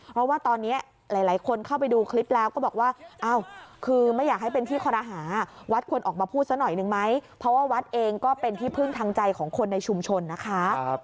เพราะว่าตอนนี้หลายคนเข้าไปดูคลิปแล้วก็บอกว่าอ้าวคือไม่อยากให้เป็นที่คอรหาวัดควรออกมาพูดซะหน่อยนึงไหมเพราะว่าวัดเองก็เป็นที่พึ่งทางใจของคนในชุมชนนะคะ